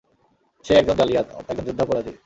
সে একজন জালিয়াত, একজন যুদ্ধাপরাধী।